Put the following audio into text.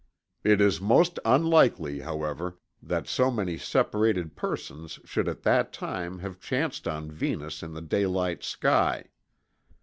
It is most unlikely, however, that so many separated persons should at that time have chanced on Venus in the daylight sky.